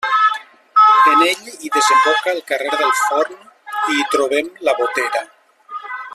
En ell hi desemboca el carrer del Forn i hi trobem La Botera.